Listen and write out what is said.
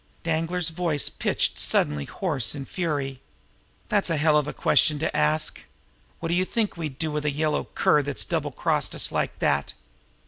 Danglar's voice pitched suddenly hoarse in fury. "That's a hell of a question to ask! What do you think we'd do with a yellow cur that's double crossed us like that?"